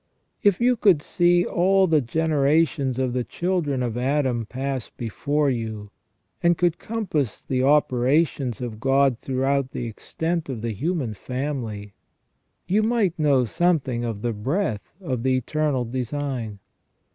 If you could see all the generations of the children of Adam pass before you, and could compass the operations of God throughout the extent of the human family, you might know something of the breadth of the eternal design.